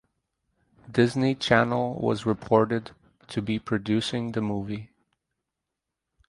Disney Channel was reported to be producing the movie.